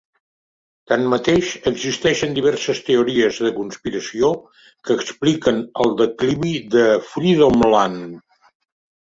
Tanmateix, existeixen diverses teories de conspiració que expliquen el declivi de Freedomland.